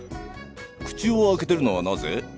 口を開けてるのはなぜ？